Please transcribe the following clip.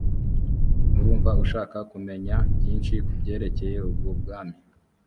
urumva ushaka kumenya byinshi ku byerekeye ubwo bwami